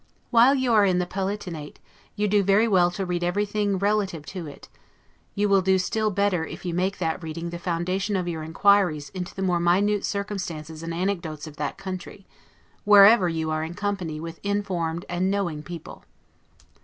While you are in the Palatinate, you do very well to read everything relative to it; you will do still better if you make that reading the foundation of your inquiries into the more minute circumstances and anecdotes of that country, whenever you are in company with informed and knowing people.